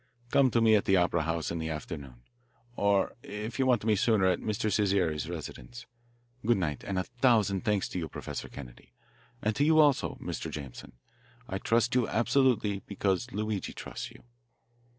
"Come to me at the opera house in the afternoon, or if you want me sooner at Mr. Cesare's residence. Good night, and a thousand thanks to you, Professor Kennedy, and to you, also, Mr. Jameson. I trust you absolutely because Luigi trusts you."